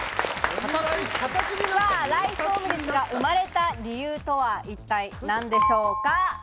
ライスオムレツが生まれた理由とは一体何でしょうか？